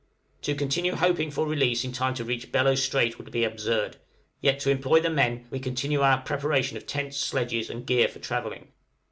To continue hoping for release in time to reach Bellot Strait would be absurd; yet to employ the men we continue our preparation of tents, sledges, and gear for travelling.